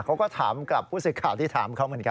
เขาก็ถามกับผู้สื่อข่าวที่ถามเขาเหมือนกัน